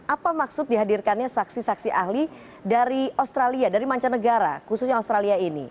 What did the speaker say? apa maksud dihadirkannya saksi saksi ahli dari australia dari mancanegara khususnya australia ini